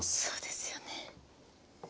そうですよね。